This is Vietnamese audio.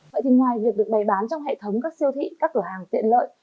vậy thì ngoài việc được bày bán trong hệ thống các siêu thị các cửa hàng tiện lợi